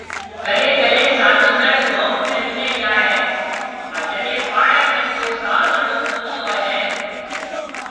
ڪڏيَ ڪڏيَ سازيندڙ گون ۾ مليَ جائيَ هي پر جڏيَ پاݪيَ ۾ ڪو ساز آڙو ڪونِهي هوئيَ هيَ